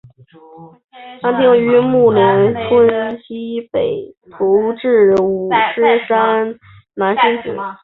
县城最初位于安定里木连村溪北徙治五狮山南今址。